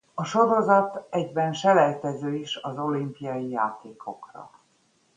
A sorozat egyben selejtező is az olimpiai játékokra.